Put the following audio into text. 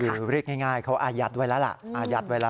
คือเรียกง่ายเขาอาญัติไว้แล้วล่ะ